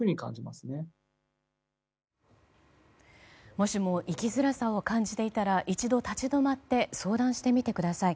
もしも生きづらさを感じていたら一度立ち止まって相談してみてください。